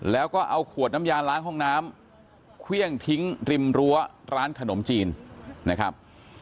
แล้วก็เอาขวดน้ำยาล้างห้องน้ำเครื่องทิ้งริมรั้วร้านขนมจีนนะครับ